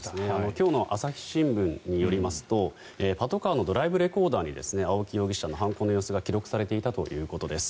今日の朝日新聞によりますとパトカーのドライブレコーダーに青木容疑者の犯行の様子が記録されていたということです。